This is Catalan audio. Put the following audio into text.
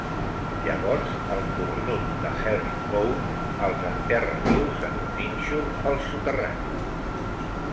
Llavors, el cornut de Herringbone els enterra vius en un nínxol, al soterrani.